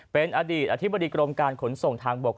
เป็นอดีตอธิบดีกรมการขนส่งทางบก